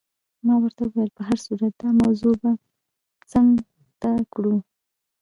ما ورته وویل: په هر صورت دا موضوع به څنګ ته کړو.